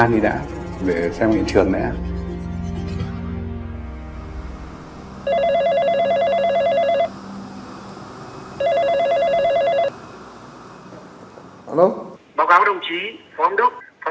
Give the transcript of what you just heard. liên trường trong đó